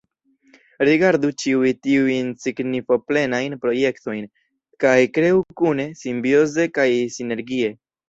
Rigardu ĉiuj tiujn signifoplenajn projektojn, kaj kreu kune, simbioze kaj sinergie!